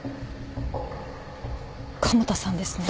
加茂田さんですね。